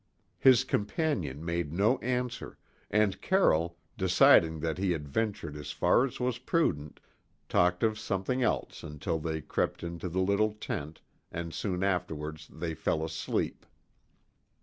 His companion made no answer, and Carroll, deciding that he had ventured as far as was prudent, talked of something else until they crept into the little tent, and soon afterwards they fell asleep.